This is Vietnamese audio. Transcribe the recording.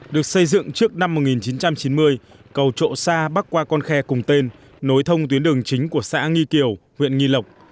được xây dựng trước năm một nghìn chín trăm chín mươi cầu trộm xa bắc qua con khe cùng tên nối thông tuyến đường chính của xã nghi kiều huyện nghi lộc